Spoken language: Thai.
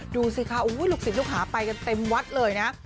ดูสิคะลูกศิษย์ลูกหาไปกันเต็มวัดเลยนะ